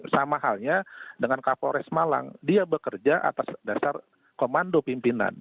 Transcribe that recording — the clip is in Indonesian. sama halnya dengan kapolres malang dia bekerja atas dasar komando pimpinan